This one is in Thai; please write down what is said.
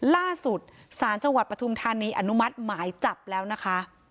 ล่าสุดศาลจังหวัดปฐุมธานีอนุมัติหมายจับแล้วนะคะ